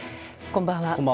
こんばんは。